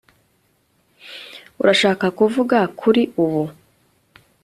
Urashaka kuvuga kuri ubu